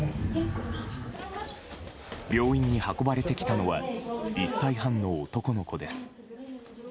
病院に運ばれてきたのは１歳半の男の子です。